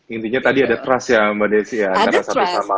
intinya tadi ada trust ya mbak deva